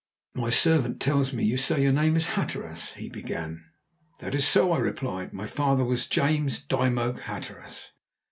"My servant tells me you say your name is Hatteras?" he began. "That is so," I replied. "My father was James Dymoke Hatteras."